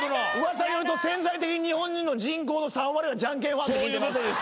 噂によると潜在的に日本人の人口の３割はじゃんけんファンって聞いてます。